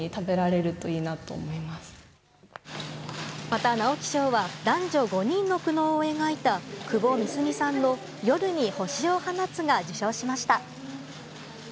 また、直木賞は男女５人の苦悩を描いた窪美澄さんの「夜に星を放つ」が受賞しました。